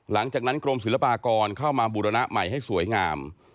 หลังจากนั้นกรมศิลปากรเข้ามาบูรณะใหม่ให้สวยงาม